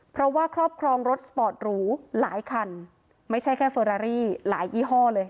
เพราะว่าครอบครองรถสปอร์ตหรูหลายคันไม่ใช่แค่เฟอรารี่หลายยี่ห้อเลย